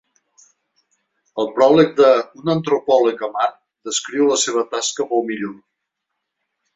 El pròleg de ‘Un antropòleg a Mart’ descriu la seva tasca molt millor.